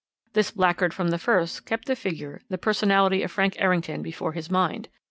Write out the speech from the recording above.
"This blackguard from the first kept the figure, the personality, of Frank Errington before his mind.